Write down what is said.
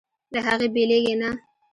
له هغې بېلېږي نه.